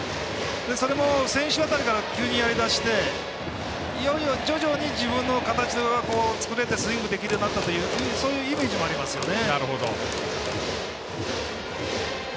それも先週辺りから急にやりだして徐々に自分の形が作れてスイングできたというそういうイメージもありますよね。